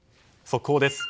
速報です。